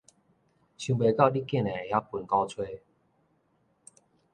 想袂到你竟然會曉歕鼓吹